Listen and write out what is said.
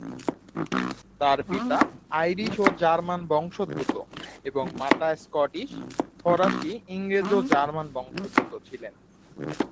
তার পিতা আইরিশ ও জার্মান বংশোদ্ভূত এবং মাতা স্কটিশ, ফরাসি, ইংরেজ ও জার্মান বংশোদ্ভূত ছিলেন।